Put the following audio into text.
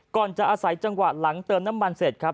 ก่อนจะอาศัยจังหวะหลังเติมน้ำมันเสร็จครับ